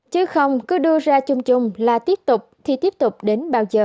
chứ không cứ đưa ra chung chung là tiếp tục thì tiếp tục đến bao giờ